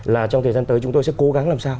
là trong thời gian tới chúng tôi sẽ cố gắng làm sao